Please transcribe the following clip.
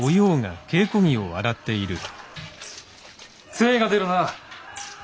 精が出るな。